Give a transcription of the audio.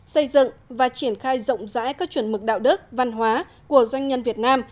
xây dựng và triển khai rộng rãi các chuẩn mực đạo đức văn hóa của doanh nhân việt nam